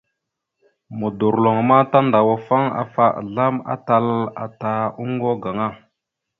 Modorloŋ ma tandawafaŋ afa azlam atal ata oŋgo gaŋa.